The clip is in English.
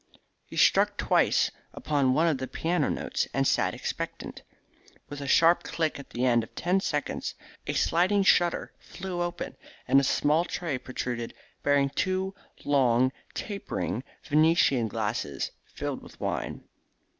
He struck twice upon one of the piano notes, and sat expectant. With a sharp click at the end of ten seconds a sliding shutter flew open, and a small tray protruded bearing two long tapering Venetian glasses filled with wine.